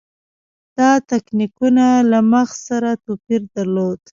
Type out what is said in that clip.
دا تکتیکونه له مغز سره توپیر درلود.